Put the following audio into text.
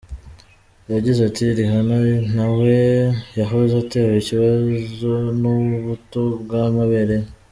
Yagize ati :« Rihanna nawe yahoze atewe ikibazo n’ubuto bw’amabere ye.